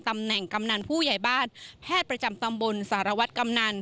ตำแหน่งกำนันผู้ใหญ่บ้านแพทย์ประจำตำบลสารวัตรกำนัน